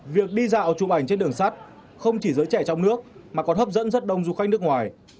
việc đi dạo chụp ảnh trên đường sắt không chỉ giới trẻ trong nước mà còn hấp dẫn rất đông du khách nước ngoài